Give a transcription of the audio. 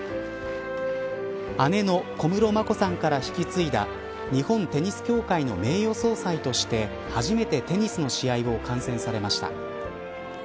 姉の小室眞子さんから引き継いだ日本テニス協会の名誉総裁として初めてテニスの試合を観戦されました。